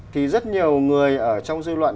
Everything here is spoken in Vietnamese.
thì rất nhiều người ở trong dư luận